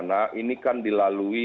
nah ini kan dilalui